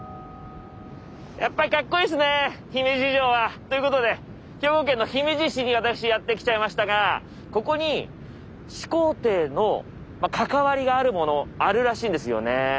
やっぱりかっこいいっすね姫路城は！ということで兵庫県姫路市に私やって来ちゃいましたがここに始皇帝の関わりがあるものあるらしいんですよね。